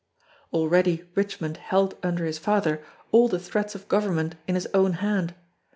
Already Richmond held under his father all the threads of government in his own hand.